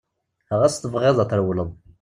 Ɣas tebɣiḍ ad trewleḍ.